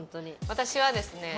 私はですね